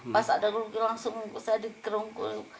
pas ada luki langsung saya dikerungkul